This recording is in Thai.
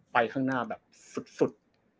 ข้างหน้าแบบสุด